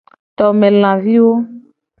Tome laviwo.